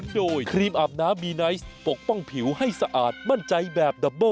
เหรอเดี๋ยวกลับมา